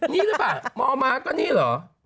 นี่หรือป่ะมมาก็นี่หรอ